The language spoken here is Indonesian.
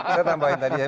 saya tambahin tadi ya